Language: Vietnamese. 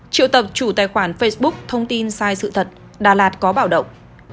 triệu tập chủ tài khoản facebook thông tin sai sự thật đà lạt có bảo động